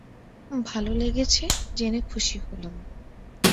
ভালো লেগেছে জেনে খুশি হলাম।